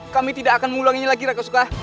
kami tidak akan mengulanginya lagi raga soka